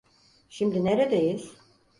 Şimdi neredeyiz?